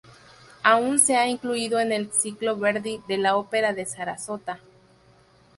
Aún no se ha incluido en el "Ciclo Verdi" de la Ópera de Sarasota.